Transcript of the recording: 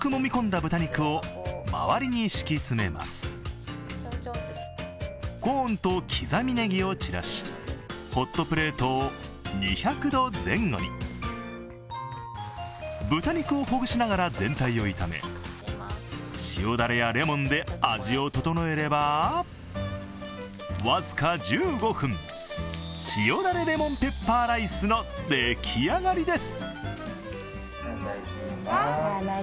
豚肉をほぐしながら全体を炒め、塩だれやレモンで味を調えれば僅か１５分、塩ダレレモンペッパーライスの出来上がりです。